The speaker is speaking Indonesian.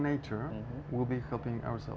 baik terima kasih banyak daniel